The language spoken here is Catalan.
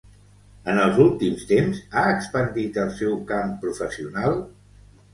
En els últims temps, ha expandit el seu camp professional?